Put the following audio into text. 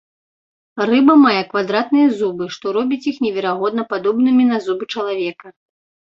Рыба мае квадратныя зубы, што робіць іх неверагодна падобнымі на зубы чалавека.